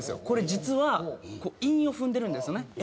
これ実は韻を踏んでるんですよね。